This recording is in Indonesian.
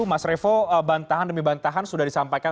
mas revo bantahan demi bantahan sudah disampaikan